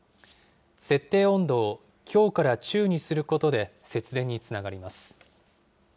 設定温度を強から中にすることで節電につながります。